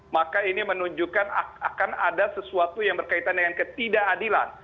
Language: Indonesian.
maka ini menunjukkan akan ada sesuatu yang berkaitan dengan ketidakadilan